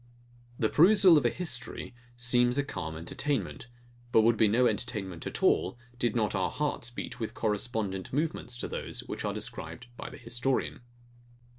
The perusal of a history seems a calm entertainment; but would be no entertainment at all, did not our hearts beat with correspondent movements to those which are described by the historian.